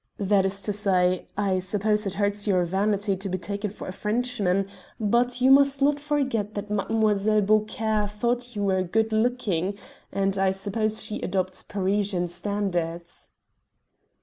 That is to say, I suppose it hurts your vanity to be taken for a Frenchman; but you must not forget that Mademoiselle Beaucaire thought you were good looking, and I suppose she adopts Parisian standards."